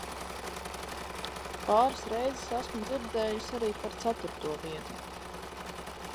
Pāris reizes esmu dzirdējis arī par ceturto vietu.